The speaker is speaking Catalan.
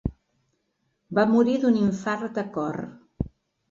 Va morir d'un infart de cor.